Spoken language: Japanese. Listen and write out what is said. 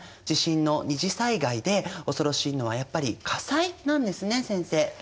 地震の二次災害で恐ろしいのはやっぱり火災なんですね先生。